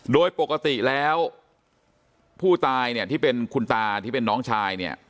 โดยปกติแล้วผู้ตายเนี่ยที่เป็นคุณตาที่เป็นน้องชายเนี่ย